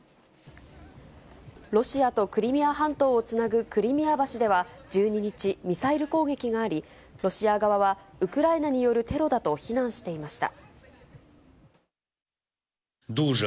ロシアとクリミア半島をつなぐクリミア橋では１２日、ミサイル攻撃があり、ロシア側はウクライナによるテロだと非難していました。